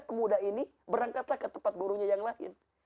pemuda ini berangkatlah ke tempat gurunya yang lain